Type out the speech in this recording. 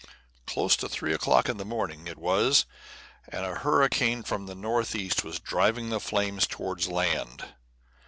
Close to three o'clock in the morning it was, and a hurricane from the northeast was driving the flames toward land.